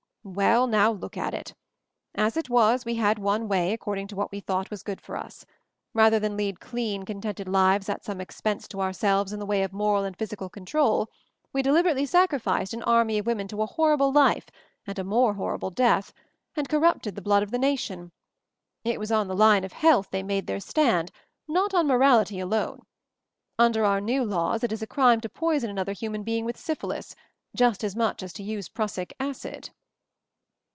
"Well, now, look at it. As it was, we had one way, according to what we thought was good for us. Rather than lead clean, con MOVING THE MOUNTAIN 113 tented lives at some expense to ourselves in the way of moral and physical control, we deliberately sacrificed an army of women to a horrible life and a more horrible death, and corrupted the blood of the nation. It was on the line of health they made their stand, not on 'morality* alone. Under our new laws it is held a crime to poison another hu man being with syphilis, just as much as to use prussic acid."